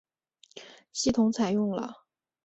系统采用了。